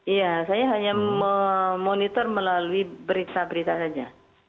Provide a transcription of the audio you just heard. iya saya hanya memonitor melalui berita berita saja